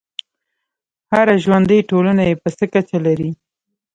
هره ژوندی ټولنه یې په څه کچه لري.